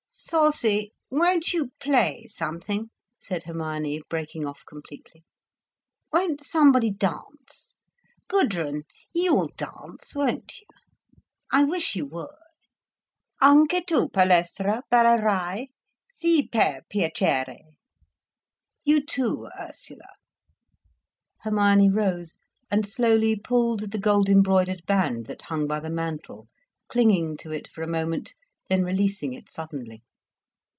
"Salsie, won't you play something?" said Hermione, breaking off completely. "Won't somebody dance? Gudrun, you will dance, won't you? I wish you would. Anche tu, Palestra, ballerai?—sì, per piacere. You too, Ursula." Hermione rose and slowly pulled the gold embroidered band that hung by the mantel, clinging to it for a moment, then releasing it suddenly.